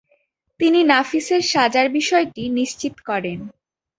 তিনি নাফিসের সাজার বিষয়টি নিশ্চিত করেন।